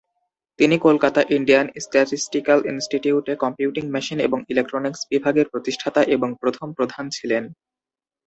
তিনি Kolkata Indian statistical ইনস্টিটিউটে computing machine এবং ইলেকট্রনিক্স বিভাগের প্রতিষ্ঠাতা এবং প্রথম প্রধান ছিলেন।